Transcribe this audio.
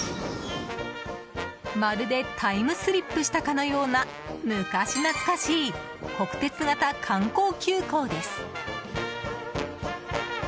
まるでタイムスリップしたかのような昔懐かしい国鉄形観光急行です。